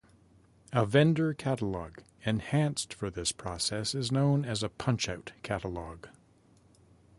A vendor catalog, enhanced for this process, is known as a punchout catalog.